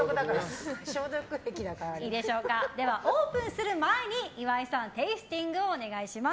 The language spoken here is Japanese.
オープンする前に岩井さんテイスティングお願いします。